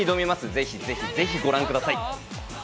ぜひぜひぜひ、ご覧ください。